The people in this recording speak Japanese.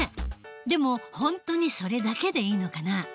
でも本当にそれだけでいいのかな？